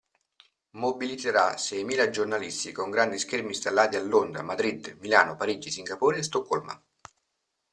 Mobiliterà seimila giornalisti con grandi schermi installati a Londra, Madrid, Milano, Parigi, Singapore e Stoccolma.